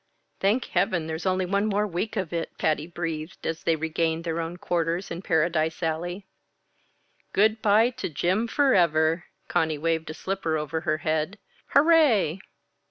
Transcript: "Thank heaven, there's only one more week of it!" Patty breathed, as they regained their own quarters in Paradise Alley. "Good by to Gym forever!" Conny waved a slipper over her head. "Hooray!"